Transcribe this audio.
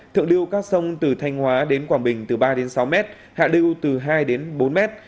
thượng lưu các sông từ thanh hóa đến quảng bình từ ba sáu m hạ lưu từ hai bốn m